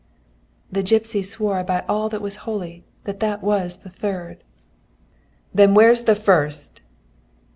"] "The gipsy swore by all that was holy that that was the third. "'Then where's the first?'